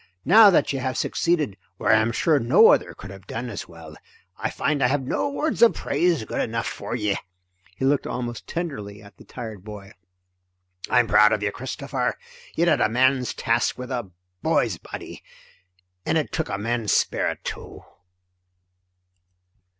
Now that you have succeeded where I am sure no other could have done as well, I find I have no words of praise good enough for ye." He looked almost tenderly at the tired boy. "I am proud of you, Christopher. You did a man's task with a boy's body and mind. And it took a man's spirit, too."